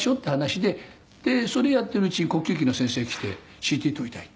「でそれやっているうちに呼吸器の先生来て“ＣＴ撮りたい”って」